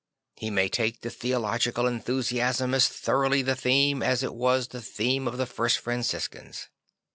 He may make the theological enthusiasm as thoroughly the theme as it was the theme of the first Franciscans.